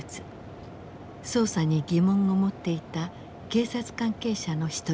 捜査に疑問を持っていた警察関係者の一人だった。